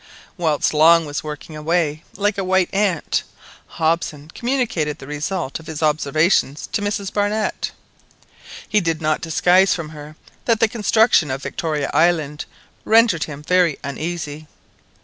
Whilst Long was working away like a white ant, Hobson communicated the result of his observations to Mrs Barnett. He did not disguise from her that the construction of Victoria Island rendered him very uneasy.